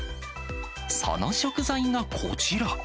その食材がこちら。